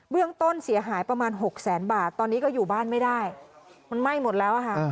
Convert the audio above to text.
เรื่องต้นเสียหายประมาณ๖แสนบาทตอนนี้ก็อยู่บ้านไม่ได้มันไหม้หมดแล้วค่ะ